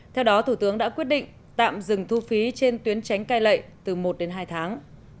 theo đó thủ tướng đã quyết định tạm dừng thu phí trên tuyến tránh cai lệ từ một đến hai tháng